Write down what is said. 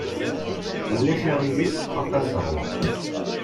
Ulac aɣilif ma qasseɣ wa?